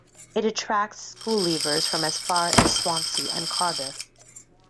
It attracts school-leavers from as far as Swansea and Cardiff.